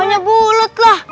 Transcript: o nya bulet lah